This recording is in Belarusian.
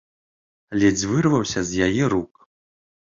Ледзь вырваўся з яе рук.